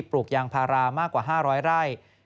ปลูกยางพารามากกว่า๕๐๐ไร่